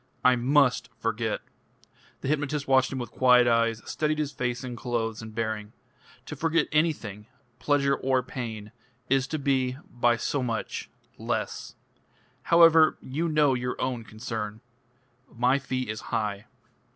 "I must forget." The hypnotist watched him with quiet eyes, studied his face and clothes and bearing. "To forget anything pleasure or pain is to be, by so much less. However, you know your own concern. My fee is high."